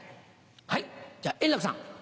はいじゃ円楽さん。